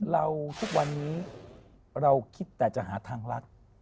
เราทุกวันนี้เราคิดแต่จะหาทางรัก